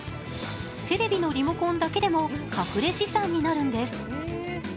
テレビのリモコンだけでもかくれ資産になるんです。